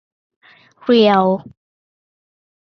เรียล